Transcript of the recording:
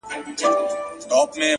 اوس هيڅ خبري مه كوی يارانو ليـونيانـو،